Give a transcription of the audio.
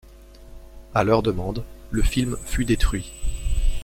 À leur demande, le film fut détruit.